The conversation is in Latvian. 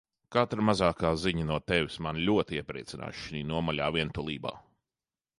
Katra mazākā ziņa no Tevis mani ļoti iepriecinās šinī nomaļā vientulībā.